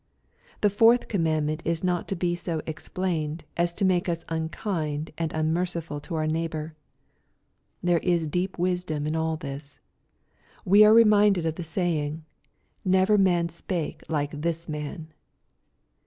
The fourth commandment is not to be so ex plained, as to make us unkind and unmerciful to our neighbor. There is deep wisdom in all this. We are re minded of the saying, " Never man spake like this man."